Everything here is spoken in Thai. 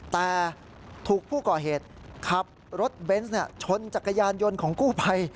แต่ถูกผู้ก่อเหตุขับรถเบนส์ชนจักรยานยนต์ของกู้ภัย